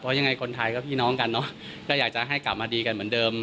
เพราะยังไงคนไทยก็พี่น้องกันเนอะก็อยากจะให้กลับมาดีกันเหมือนเดิม